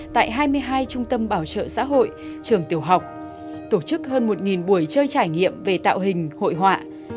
tại hai mươi hai trung tâm bảo trợ xã hội trường tiểu học tổ chức hơn một buổi chơi trải nghiệm về tạo hình hội họa